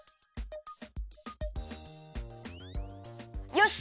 よし！